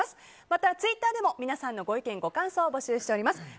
また、ツイッターでも皆さんのご意見、ご感想を募集しています。